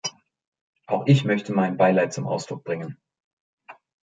Auch ich möchte mein Beileid zum Ausdruck bringen.